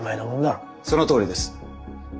そのとおりです。